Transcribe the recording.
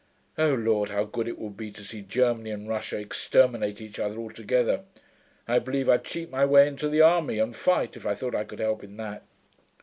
O Lord, how good it would be to see Germany and Russia exterminate each other altogether! I believe I'd cheat my way into the army and fight, if I thought I could help in that.'